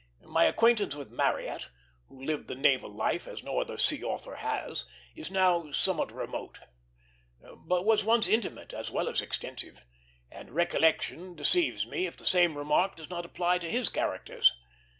My acquaintance with Marryat, who lived the naval life as no other sea author has, is now somewhat remote, but was once intimate as well as extensive; and recollection deceives me if the same remark does not apply to his characters.